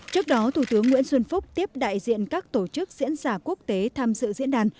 trước đó thủ tướng nguyễn xuân phúc tiếp đại diện các tổ chức diễn giả quốc tế tham dự diễn đàn